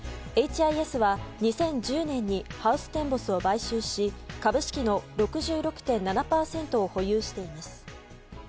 ＨＩＳは２０１０年にハウステンボスを買収し株式の６６．７％を保有しています。